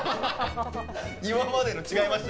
今までと違いました？